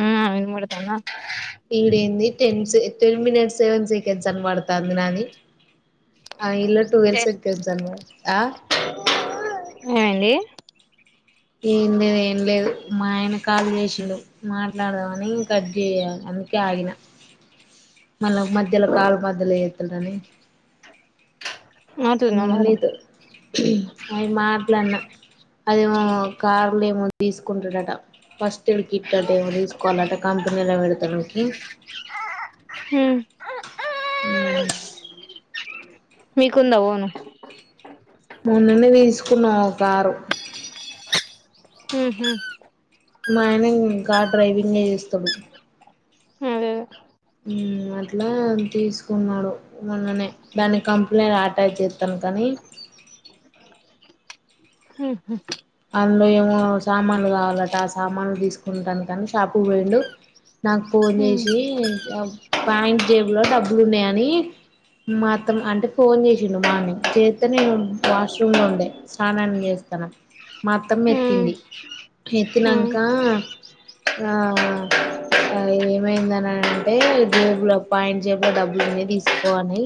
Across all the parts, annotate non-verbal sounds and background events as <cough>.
ఉం ఎం గోడుతన ఈడేంది tense ten minutes seven seconds అని పడతాంది నాది ఆ ఇల్లా టూవెల్ సెంకడ్స్ అని పడ ఆ ఏమైండి ఏం లేదు ఏం లేదు మా ఆయన కాల్ చేసిండు మాట్లాడదామని కట్ చేయా అందుకే ఆగిన మళ్ళా మధ్యలో కాలు మధ్యలో చేత్తడని ఉ అవుతుందా మరి నీతో అయి మాట్లాడిన అదేమో కార్లు ఏమో తీసుకుంటడట ఫస్ టెవి కిట్ అంట ఏమో తీసుకోవాలంట కంపెనీలా పెడతానికి హ్మ్ హ్మ్ మీకుందా ఓను మొన్ననే తీసుకున్నాం ఒ కారు ఉహ్ మా ఆయన ఇం కార్ డ్రైవింగే చేస్తడు. అదేదే హ్మ్ అట్లా తీసుకున్నాడు మొన్ననే దాన్ని కంప్లేన్ అటాచ్ చేత్త కానీ హ్మ్ హు అందులో ఏమో సామాన్లు కావాలట ఆ సామానులు తీసుకుంటానికి అనీ షాపుకు పోయిండు. నాకు ఫోన్ చేసి ప్యాంట్ జేబులో డబ్బులు ఉన్నయని మా అత్తం అంటే ఫోన్ చేసిండు మార్నింగ్ చేత్తే నేను వాష్రూమ్ లో ఉండే స్నానం చేస్ త్తన మా అత్తమ్మ హ్మ్ ఎత్తింది హు ఎత్తినంకా ఆ ఆ ఏమైందననంటే జేబులో పాయింట్ జేబులో డబ్బులున్నయి తీసుకో అని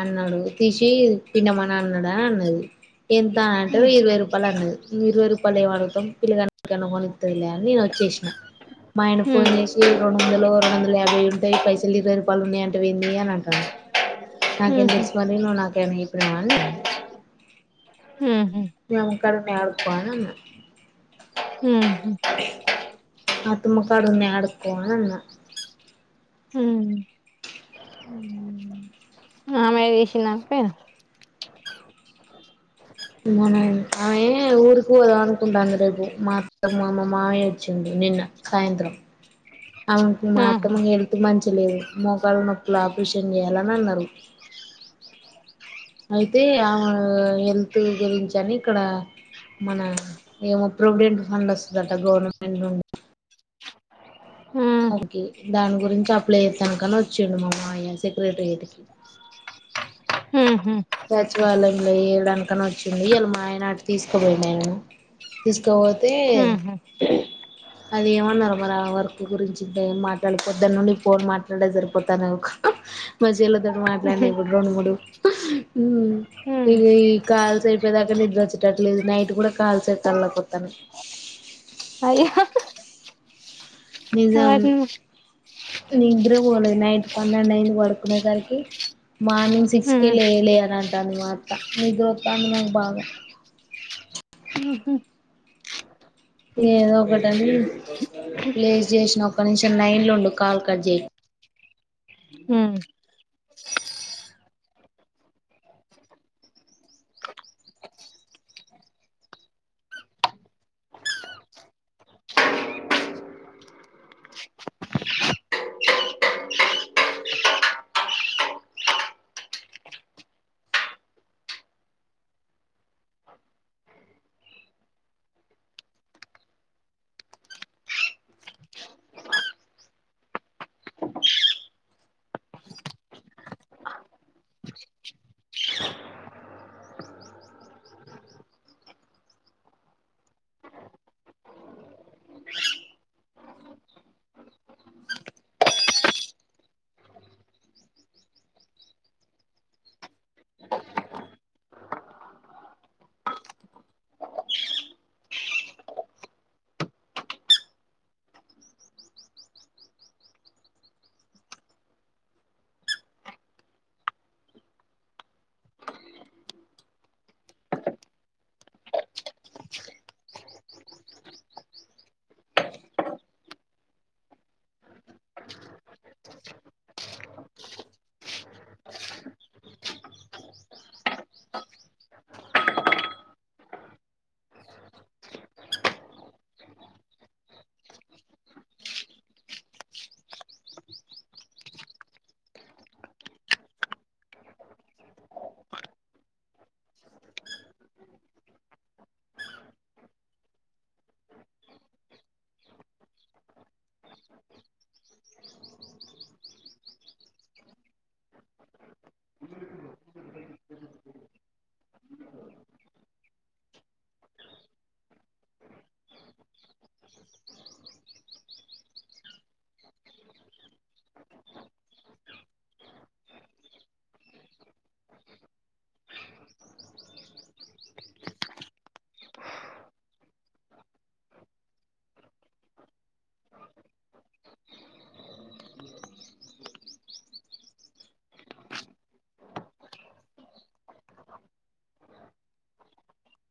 అన్నాడు తీసి పిండమనన్నడు అన్నది ఎంత నంటే హ్మ్ ఇరవై రూపాయలు అన్నది. ఇగ ఇరవై రూపాయలు ఏం అడుగుతాం పిల్లగానికి ఎమన్నా కొనిత్తదిలే అని నేను వచ్చేసిన మా ఆయనకు ఫోన్ చేసి రెండు వందలో రెండు వందల యాభై ఉంటయి పైసలు ఇరవై రూపాలున్నాయి అంటవెంది అని అంటాండు హు హ్మ్ నాకేం హు తెలుసు మరి నువ్వు నాకు ఏం చెప్పినావని హ్మ్ హు నమ్మకం లేకపోనీ అన్న హ్మ్ హు ఆ అతమ్మకాడున్నయి అడుక్కోవాలి అన్న హ్మ్ హు హ్మ్మ్ <unintelligible> <unintelligible> మనం ఆమె ఊరుకి పోదాం అనుకుంటాంది రేపు మా అత్తమ్మ మా మామయ్య వచ్చిండు. నిన్న సాయంత్రం అవును మా ఆహా అత్తమ్మ గారికి మంచిలేదు మోకాల నొప్పులు ఆపరేషన్ చేయాలని అన్నారు అయితే ఆమె హెల్త్ గురించి అని ఇక్కడ మన ఏమో ప్రొవిడెంట్ ఫండ్ వస్తుందట గవర్నమెంట్ నుండి హ్మ్ ఓకే దాని గురించి అప్లై చేస్తానుకని వచ్చిండు మామాయ సెక్రటరియేట్కి అ హ్మ్ హు సచివాలయంలో ఏయడానికి కని వచ్చింది ఇయాల మాఆయన అటు తీసుకుపోయినా నేను తీసుకోపోతే హ్మ్ హు అది ఏమన్నారు మరి వర్క్ గురించి ఇంటే ఏం మాట్లాడిపోద్ద్దని నుండి ఫోన్ మాట్లాడే జరిపోతాను మా చెల్లితోనే మాట్లాడలేదు ఫోన్ కూడా హుమ్ హ్మ్ ఇక ఈ కాల్స్ అయిపోయదాకా నిద్ర వచ్చేటట్లేదు నైట్ కూడా కాల్స్ అయి కళ్ళోకివతన్నై అయ్యో నిజం వాటిని నిద్ర పోలేదు నైట్ పన్నెండు అయింది పడుకునేసరికి మార్నింగ్ హ్మ్ సిక్స్కే లేలే అని అంటాంది మీ అత్త నిద్ర వస్తాంది నాకు బాగా హు ఏదో ఒకటని ప్లేస్ చేసిన ఒక నిషం నైన్లు ఉండు కాల్ కట్ చేయ ఉ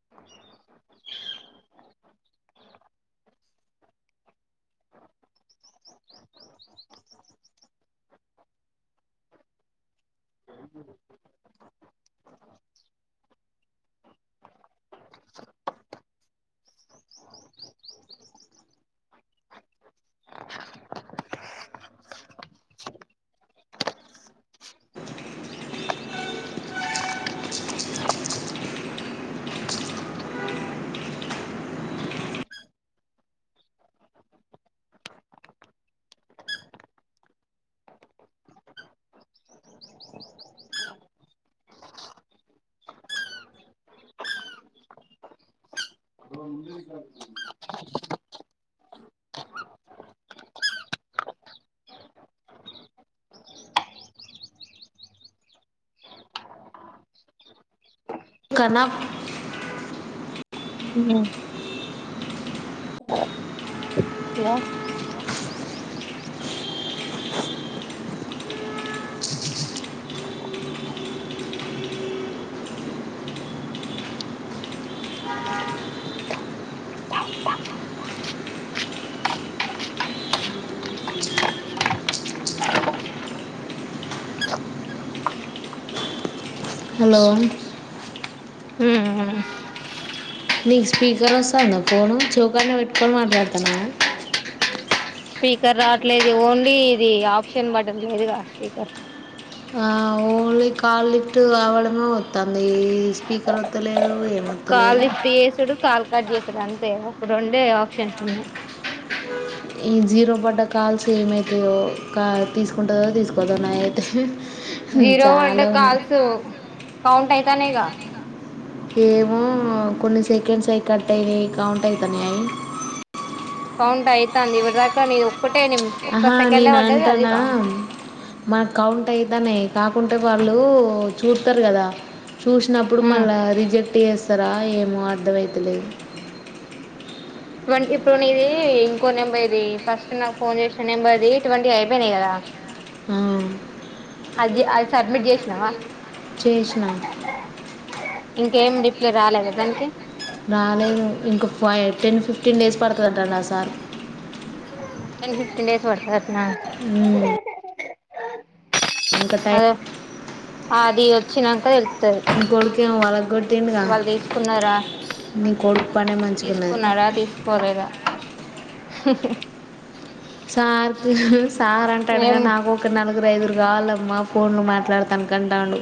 అ ఆ <unintelligible> ఒకరోజు ముందుగానే కాలిచెయ్యమను <unintelligible> <inaudible> హలో హలో హ్మ్ నీకు స్పీకర్ వస్తుందా ఫోను చెవుకానే పెట్టుకొని మాట్లాడుతున్నావా స్పీకర్ రావట్లేదు ఓన్లీ ఇది ఆప్షన్ బటన్ లేదుగా స్పీకర్ ఆ ఓన్లీ కాల్ లిఫ్ట్ అవడమే వస్తుంది ఈ స్పీకర్ వస్తలేదు ఏ కాల్ లిఫ్ట్ చేసాడు కాల్ కట్ చేసాడు అంతే ఒక రెండే ఆప్షన్స్ ఉన్నాయి ఈ జీరో పడ్డ కాల్స్ ఏమైతేయో కా తీసుకుంటుందో తీసుకదాన్నా అయితే జీరో పడ్డ కాల్స్ కౌంట్ అవుతున్నైగా ఏమో కొన్ని సెకండ్స్ అవి కట్ అయినాయి కౌంట్ అవుతాన్నా అవి కౌంట్ అయితంది ఇప్పటి దాకా నువ్వు ఆహా నేను అంటానా కౌంట్ మా కౌ అ అయితానే కాకుంటే వాళ్ళు చూతారు కదా చూసినప్పుడు మళ్ళా రిజెక్ట్ చేస్తారా ఏమో అర్థమవుతలేదు ట్వంటీ ఇప్పుడు నీ ఇది ఇంకో నెంబర్ ఇది ఫస్ట్ నాకు ఫోన్ చేసిన నెంబర్ ఇది ట్వంటీ అయిపోయినాయి కదా ఆ అది అది సడ్మిట్ చేసినావా చేసిన ఇంకేం రిప్లే రాలేదు కదానికి రాలేదు ఇంకో ఫై టెన్ ఫిఫ్టీన్ డేస్ పడుతుందింటండి ఆ సార్ టెన్ ఫిఫ్టీన్ డేస్ పడుతుందంటనా ఉమ్, <unintelligible> ఆది వచ్చినంక ఎళ్. తది నీ కొడుకేమో వాళ్ళకి కొట్టిండుగా వాళ్ దీస్కున్నారా.? నీ కొడుకు పనే ! మంచిగున్నది తీస్కున్నాడా.? ! తీస్కోలేదా.? ! సార్కు, సారంటాడుగా ఏం నాకొక నలుగురైదుగురు గావలమ్మ. ! ఫోన్లు మాట్లాడ్తాన్కంటాండు.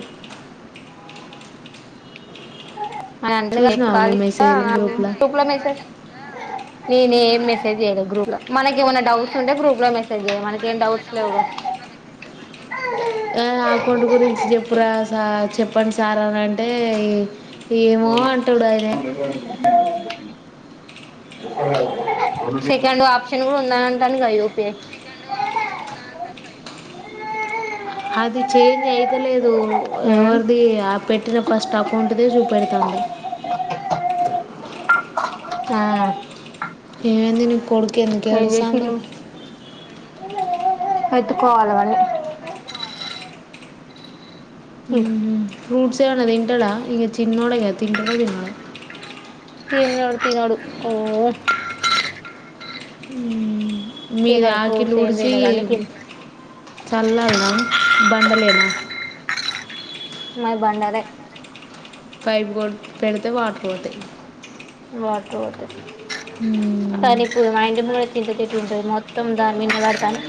<unintelligible> చూసినావా నువ్వు మెసేజ్ల గ్రూప్లా నేనేం మెసేజ్ జేయలే గ్రూప్ ల. మనకేమన డౌట్స్ ఉంటే గ్రూప్ లో మెసేజ్ చేయమన్న, మనకేం డౌట్స్ లేవుగా. హుహు యె అకౌంట్ గురించి జేప్పురా సార్ చెప్పండ్సార్ అనంటే ఈ. చ్చు సెకండు ఆప్షన్ గూడా ఉందనీ అంటాడుగా యూపీఏ. <unintelligible> అది చేంజి అయితలేదు ఉమ్ ఎవర్ది యాప్. పెట్టిన ఫస్ట్ అకౌంటు దే జూపెడతాంది. ఆ. ఏవైంది.? నీ ఏం కొడుకెందుకేడుసాండు.? చేసిల్లు ! ఎత్తుకోవాలా వాన్నీ. ఊహూ. ఫ్రూట్స్ ఏమన్న దింటడా.? ఇగ చిన్నోడేగా తింటడో దినడో. ! తిన్నడు, తినడు ఓ. మీది తినడు ఫ్రూట్స్ ఏం ఆకిలుడ్సి. తినడు అన్ని కింద చల్లళ్నా.? ! బండలేనా.? ! మాది బండలే. ! పైప్ గోడ్ పెడితే వాట్రుబొతయ్. వాట్రుబొతయీ మ్మ్. కానిప్పుడు మా ఇంటి ముంగడా చింత చె. ట్టుంటది మొత్తం దాని మీద్నెబడతానె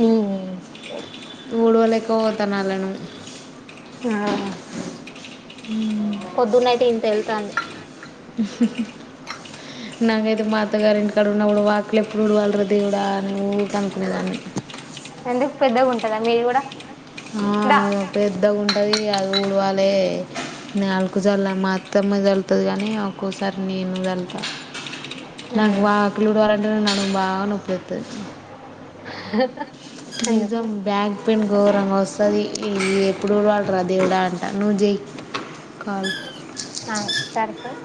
నీ. ఊడ్వలేకా వోతాన్నాళ్లను. పొద్దున్నైతే, ఇంతెళ్తాంది. ఊహూహూ నాకైతే మాఅత్తగారింటికాడున్నప్పుడు వా‌. ఎప్పుడూడ్వల్ర దేవుడా అని ఊకే అనుకునేదాన్ని. ఎందు పెద్దగుంటదా మీద్ గూడా. !? ఆ పెద్దగుంటది. అది ఊడ్వాలే. ! నా అల్కు జల్ల మా అత్తమ్మె జల్ల్తది గాని, ఒక్కోసారి నేను జళ్తా. నాకు వాకలుడ్వాలంటనే నడుం బాగా నొప్పి లెత్తది. ఎందుకు నిజం బ్యాక్ పెన్ ఘోరంగొస్తది ఈ ఎప్పుడుడ్వల్రా దేవుడా. ఆ నుజెయు. ఆ సరే సార్.